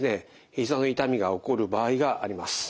ひざの痛みが起こる場合があります。